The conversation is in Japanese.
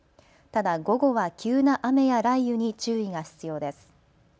ただ午後は急な雨や雷雨に注意が必要です。